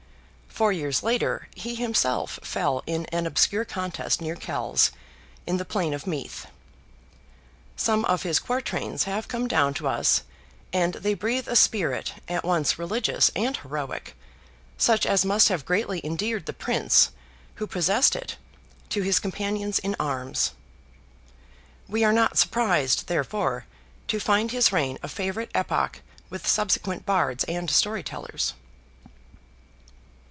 Four years later, he himself fell in an obscure contest near Kells, in the plain of Meath. Some of his quartrains have come down to us, and they breathe a spirit at once religious and heroic—such as must have greatly endeared the Prince who possessed it to his companions in arms. We are not surprised, therefore, to find his reign a favourite epoch with subsequent Bards and Storytellers.